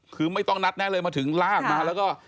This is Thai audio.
คือไม่ต้องนัดแน่เลยมาถึงลากมาแล้วก็